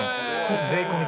税込みで。